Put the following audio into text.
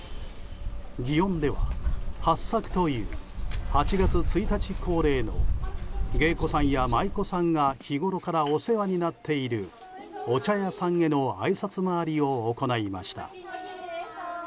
祇園では八朔という８月１日恒例の芸妓さんや舞妓さんが日ごろからお世話になっているお茶屋さんへのあいさつ回りを行いました。